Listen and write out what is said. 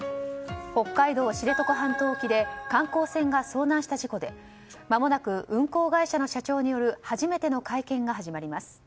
北海道知床半島沖で観光船が遭難した事故で間もなく運航会社の社長による初めての会見が始まります。